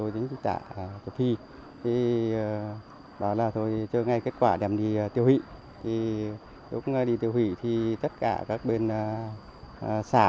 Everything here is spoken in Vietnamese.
đi tiêu hủy thì tất cả các bên xã